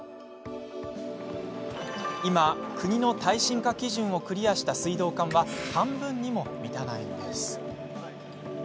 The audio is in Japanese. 今、国の耐震化基準をクリアした水道管は半分にも満たないんです。